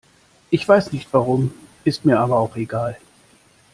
Ich weiß nicht warum, ist mir aber auch egal.